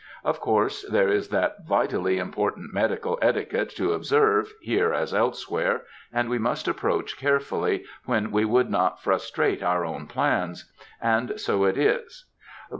Of course there is that vitally important medical etiquette to observe, here as elsewhere, and we must approach carefully, when we would not frustrate our own plans;—and so it is.